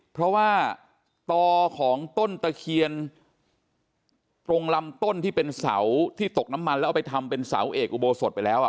เพราะว่าต่อของต้นตะเคียนตรงลำต้นที่เป็นเสาที่ตกน้ำมันแล้วเอาไปทำเป็นเสาเอกอุโบสถไปแล้ว